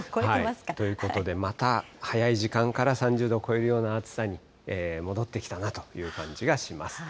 ということで、また早い時間から３０度を超えるような暑さに戻ってきたなという感じがします。